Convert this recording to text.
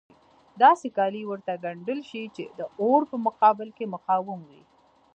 داسې کالي ورته ګنډل شي چې د اور په مقابل کې مقاوم وي.